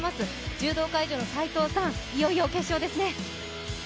柔道会場の斎藤さん、いよいよ決勝ですね。